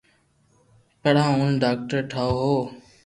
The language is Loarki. پڙآن اوني ڌاڪٽر ٺاوُِ ھون